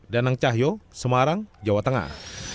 danang cahyo semarang jawa tengah